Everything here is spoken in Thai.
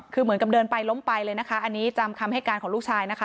คือเหมือนกับเดินไปล้มไปเลยนะคะอันนี้จำคำให้การของลูกชายนะคะ